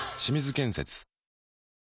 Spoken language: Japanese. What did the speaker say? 清水建設